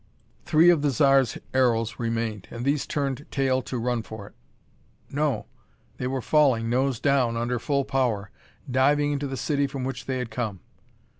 Three of the Zar's aeros remained, and these turned tail to run for it. No! They were falling, nose down, under full power; diving into the city from which they had come.